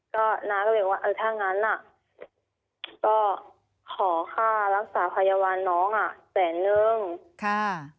ก็น้าก็เลยบอกว่าเออถ้างั้นอ่ะก็ขอค่ารักษาพยาบาลน้องอ่ะแสนนึงค่ะ